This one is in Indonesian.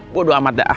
bodo amat dah